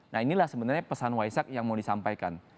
nah inilah sebenarnya pesan waisak yang mau disampaikan